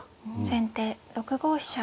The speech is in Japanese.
先手６五飛車。